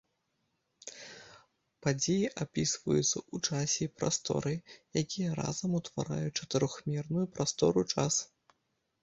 Падзеі апісваюцца ў часе і прасторы, якія разам утвараюць чатырохмерную прастору-час.